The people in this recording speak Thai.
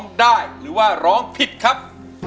จะใช้หรือไม่ใช้ครับ